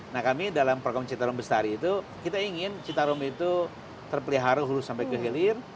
nah kami dalam program citarum bestari itu kita ingin citarum itu terpelihara hulu sampai ke hilir